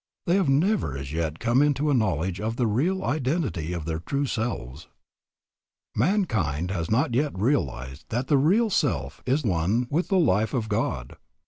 They have never as yet come into a knowledge of the real identity of their true selves. Mankind has not yet realized that the real self is one with the life of God.